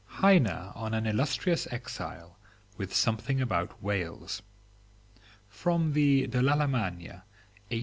] HEINE ON AN ILLUSTRIOUS EXILE WITH SOMETHING ABOUT WHALES (From the "De l'Allemagne.")